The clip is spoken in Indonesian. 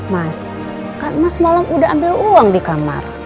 mas kan mas malam udah ambil uang di kamar